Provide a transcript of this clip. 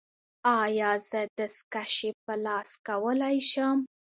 ایا زه دستکشې په لاس کولی شم؟